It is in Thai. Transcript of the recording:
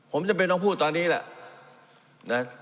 ผมจำเป็นต้องพูดตอนนี้แหละ